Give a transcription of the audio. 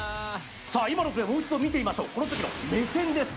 今のプレーもう一度見てみましょうこの時の目線です